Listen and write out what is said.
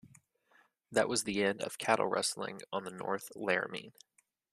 That was the end of cattle rustling on the North Laramie.